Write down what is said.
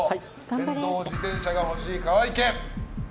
電動自転車が欲しい河合家。